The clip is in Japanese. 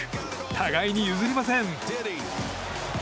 互いに譲りません。